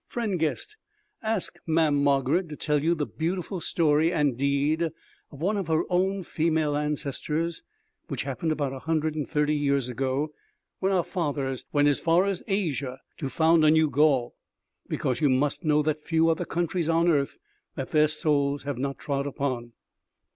Friend guest, ask Mamm' Margarid to tell you the beautiful story and deed of one of her own female ancestors, which happened about a hundred and thirty years ago when our fathers went as far as Asia to found a new Gaul, because you must know that few are the countries on earth that their soles have not trod upon."